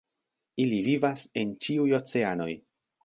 Ili vivas en ĉiuj oceanoj.